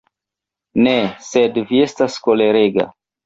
Ne, sed vi estas kolerega.